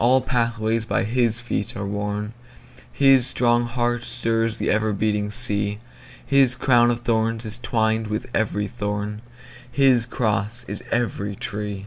All pathways by his feet are worn, His strong heart stirs the ever beating sea, His crown of thorns is twined with every thorn, His cross is every tree.